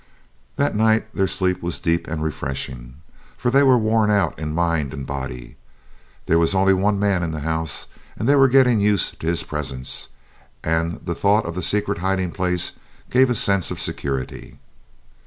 That night their sleep was deep and refreshing, for they were worn out in mind and body. There was only one man in the house, and they were getting used to his presence, and the thought of the secret hiding place gave a sense of security.